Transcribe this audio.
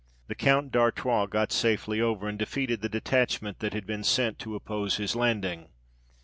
The Count d'Artois got safely over, and defeated the detachment that had been sent to oppose his landing.